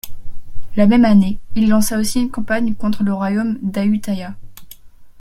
La même année, il lança aussi une campagne contre le royaume d'Ayutthaya.